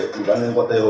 thủy ban nước cô tây hồ